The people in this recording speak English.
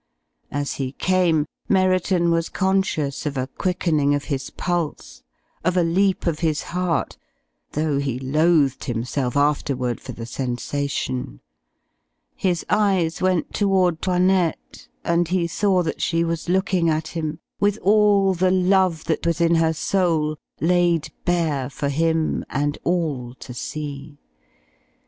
As he came, Merriton was conscious of a quickening of his pulse, of a leap of his heart, though he loathed himself afterward for the sensation. His eyes went toward 'Toinette, and he saw that she was looking at him, with all the love that was in her soul laid bare for him and all to see.